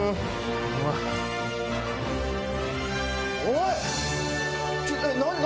おい！